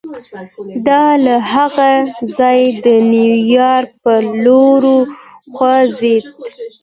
دی له هغه ځايه د نيويارک پر لور وخوځېد.